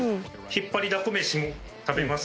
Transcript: ひっぱりだこ飯も食べます？